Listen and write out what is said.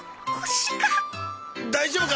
大丈夫か？